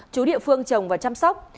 chú địa phương trồng và chăm sóc